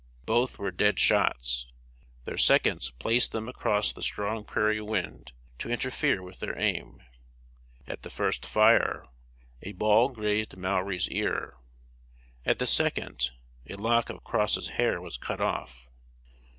Both were dead shots. Their seconds placed them across the strong prairie wind, to interfere with their aim. At the first fire, a ball grazed Mowry's ear. At the second, a lock of Cross's hair was cut off.